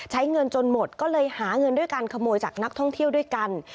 ใช้เงินจนหมดก็เลยหาเงินด้วยการขโมยจากนักท่องเที่ยวด้วยกัน